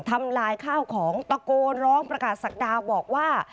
ทำลายข้าวของตะโกนร้องประกาศศักดาบอกว่า